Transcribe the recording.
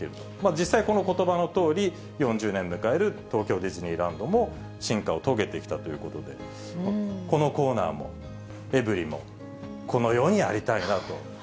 実際、このことばのとおり、４０年迎える東京ディズニーランドも進化を遂げてきたということで、このコーナーも、エブリィも、このようにありたいなと。